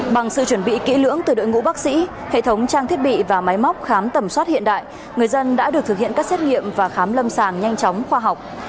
bằng sự chuẩn bị kỹ lưỡng từ đội ngũ bác sĩ hệ thống trang thiết bị và máy móc khám tẩm soát hiện đại người dân đã được thực hiện các xét nghiệm và khám lâm sàng nhanh chóng khoa học